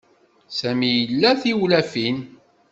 Sami ila tiwlafin.